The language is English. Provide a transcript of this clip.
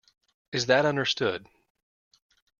Is that understood?